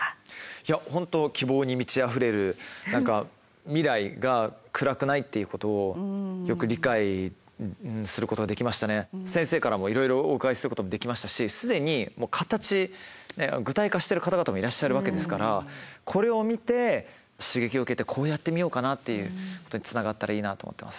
いや本当希望に満ちあふれる先生からもいろいろお伺いすることもできましたし既に形具体化してる方々もいらっしゃるわけですからこれを見て刺激を受けてこうやってみようかなっていうことにつながったらいいなと思ってます。